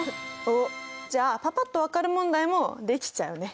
おっじゃあパパっと分かる問題もできちゃうね。